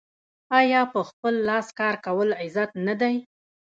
آیا په خپل لاس کار کول عزت نه دی؟